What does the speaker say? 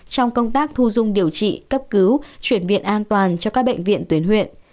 trong công tác thu dung điều trị cấp cứu chuyển viện an toàn cho các bệnh viện tuyến huyện